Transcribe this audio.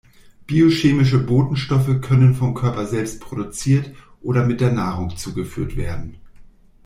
Biochemische Botenstoffe können vom Körper selbst produziert oder mit der Nahrung zugeführt werden.